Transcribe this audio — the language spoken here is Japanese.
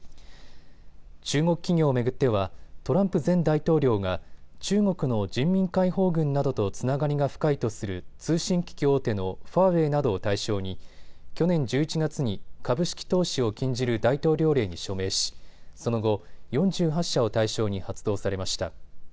中国企業を巡ってはトランプ前大統領が中国の人民解放軍などとつながりが深いとする通信機器大手のファーウェイなどを対象に去年１１月に株式投資を禁じる大統領令に署名しその後、４８社を対象に発動されました。